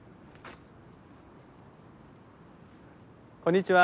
こんにちは。